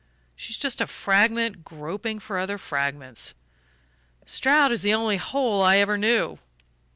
She's just a fragment groping for other fragments. Stroud is the only whole I ever knew."